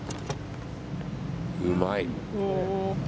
うまい。